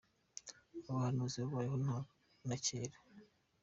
Abahanuzi babayeho na kera.